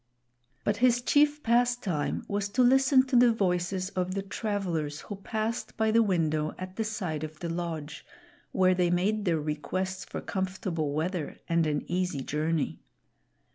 But his chief pastime was to listen to the voices of the travelers who passed by the window at the side of the lodge, where they made their requests for comfortable weather and an easy journey.